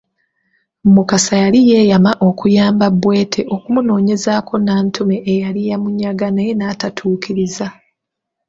Mukasa yali yeeyama okuyamba Bwete okumunoonyezaako Nantume eyali yamunyaga naye n’atatuukiriza.